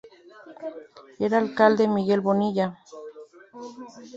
Era alcalde Miguel Bonilla.